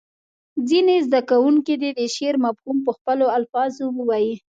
ځینې زده کوونکي دې د شعر مفهوم په خپلو الفاظو ووایي.